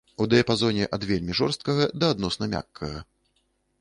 У дыяпазоне ад вельмі жорсткага да адносна мяккага.